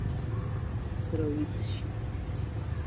Сара ауаҩы дысшьит.